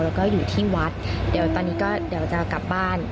แล้วก็อยู่ที่วัดเดี๋ยวตอนนี้ก็เดี๋ยวจะกลับบ้าน